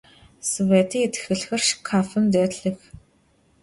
Svête yitxılhxer şşkafım delhıx.